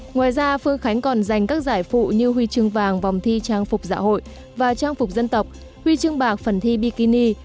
ngoài ra phương khánh còn giành các giải phụ như huy chương vàng vòng thi trang phục dạ hội và trang phục dân tộc huy chương bạc phần thi bikini